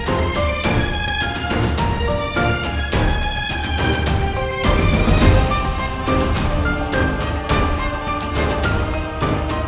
umur manusia sampai kapan